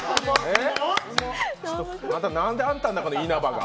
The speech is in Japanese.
なんで、あんたの中の稲葉が。